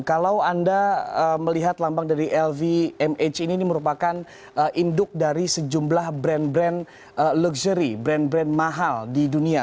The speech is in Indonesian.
kalau anda melihat lambang dari lvmh ini merupakan induk dari sejumlah brand brand luxury brand brand mahal di dunia